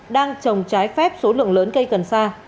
đang trồng trái phép số lượng lớn cây cần sa